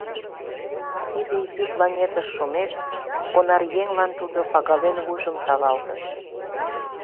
Тиде изи планетыш шумек, понаръеҥлан тудо пагален вуйжым савалтыш.